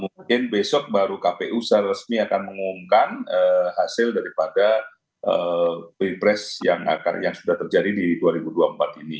mungkin besok baru kpu secara resmi akan mengumumkan hasil daripada pilpres yang sudah terjadi di dua ribu dua puluh empat ini